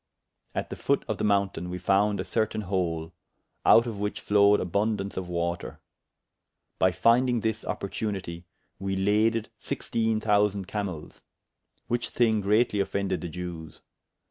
At the foot of the mountayne we founde a certayne hole, out of whiche flowed aboundance of water. By fyndyng this opportunitie, we laded sixtiene thousand camels; which thyng greatly offended the Jewes.